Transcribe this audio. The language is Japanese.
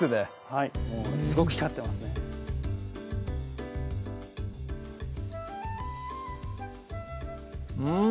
はいすごく光ってますねうん！